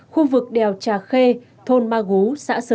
khu vực đèo trà khê thôn ma gú xã sơn